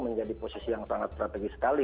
menjadi posisi yang sangat strategis sekali